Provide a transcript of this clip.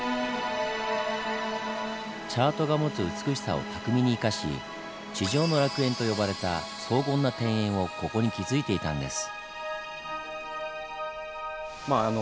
チャートが持つ美しさを巧みに生かし「地上の楽園」と呼ばれた荘厳な庭園をここに築いていたんです。